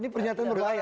ini pernyataan berbahaya